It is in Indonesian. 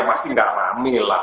pasti gak rame lah